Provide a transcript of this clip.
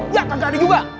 yah gak ada juga